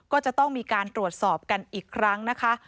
ก็จะต้องมีการตรวจสอบกันอีกครั้งนะคะ